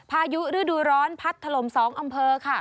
พายุฤดูร้อนพัดถล่ม๒อำเภอค่ะ